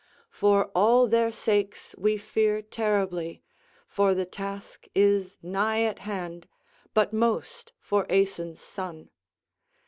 For all their sakes we fear terribly (for the task is nigh at hand) but most for Aeson's son.